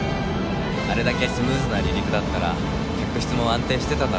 あれだけスムーズな離陸だったら客室も安定してただろうな。